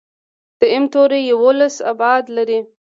د M-تیوري یوولس ابعاد لري.